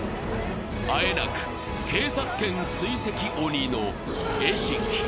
あえなく警察犬追跡鬼の餌食に。